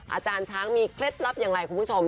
อาจารย์ช้างมีเคล็ดลับอย่างไรคุณผู้ชม